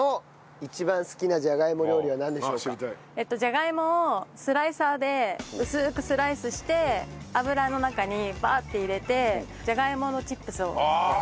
陽子さんのじゃがいもをスライサーで薄くスライスして油の中にバッて入れてじゃがいものチップスを作る。